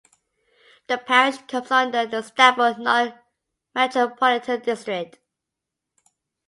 The parish comes under the Stafford Non-Metropolitan District.